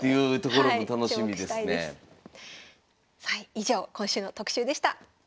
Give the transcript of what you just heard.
以上今週の特集でした。